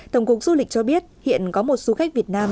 tổng cục du lịch cho biết hiện có một du khách việt nam